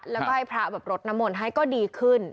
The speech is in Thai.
แล้วก็ให้พระแบบรดน้ำมนต์ให้ก็ดีขึ้น